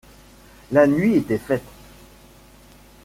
La nuit était faite.